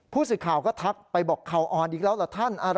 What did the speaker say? ผู้สื่อข่าวก็ทักไปบอกเขาอ่อนอีกแล้วเหรอท่าน